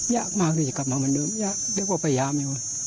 อยากมากขึ้นกลับความฝันเดิมยากเรียกว่าพยายามแบบนั้น